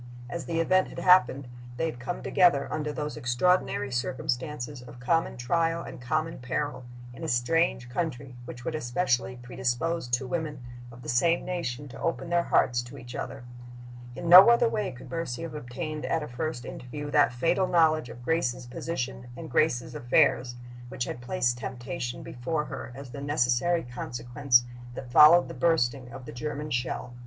As the event had happened, they had come together, under those extraordinary circumstances of common trial and common peril, in a strange country, which would especially predispose two women of the same nation to open their hearts to each other. In no other way could Mercy have obtained at a first interview that fatal knowledge of Grace's position and Grace's affairs which had placed temptation before her as the necessary consequence that followed the bursting of the German shell.